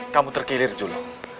kamu terkilir julo